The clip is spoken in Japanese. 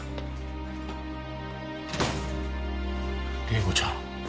麗子ちゃん。